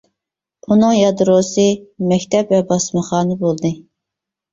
ئۇنىڭ يادروسى مەكتەپ ۋە باسمىخانا بولدى.